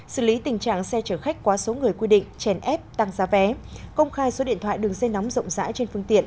xử lý tình trạng xe chở khách quá số người quy định chèn ép tăng giá vé công khai số điện thoại đường dây nóng rộng rãi trên phương tiện